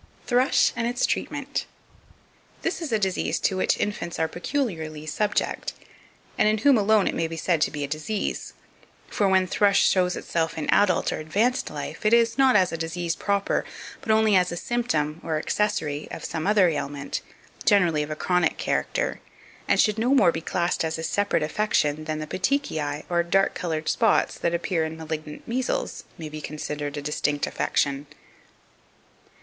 THRUSH, AND ITS TREATMENT. 2523. This is a disease to which infants are peculiarly subject, and in whom alone it may be said to be a disease; for when thrush shows itself in adult or advanced life, it is not as a disease proper, but only as a symptom, or accessory, of some other ailment, generally of a chronic character, and should no more be classed as a separate affection than the petechae, or dark coloured spots that appear in malignant measles, may be considered a distinct affection.